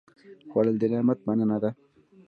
خوړل د نعمت مننه ده